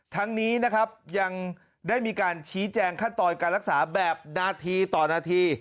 ทั้งนี้นะครับยังได้มีการชี้แจงขั้นตอนการรักษาแบบนาทีต่อนาที